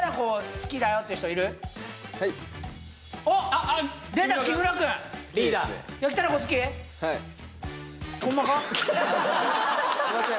すいません